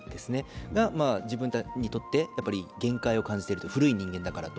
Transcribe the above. それが自分自身にとって限界を感じていると、古い人間だからと。